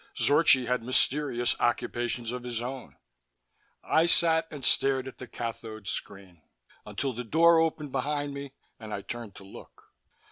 Zorchi had mysterious occupations of his own. I sat and stared at the cathode screen. Until the door opened behind me, and I turned to look.